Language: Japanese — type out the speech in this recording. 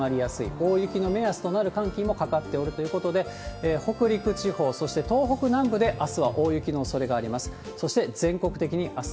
大雪の目安となる寒気もかかっておるということで、北陸地方、そして東北南部であすは大雪のおそれがあります。